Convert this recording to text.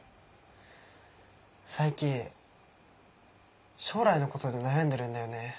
最近将来のことで悩んでるんだよね。